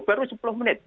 baru sepuluh menit